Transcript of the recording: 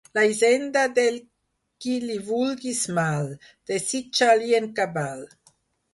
La hisenda del qui li vulguis mal, desitja-l'hi en cabal.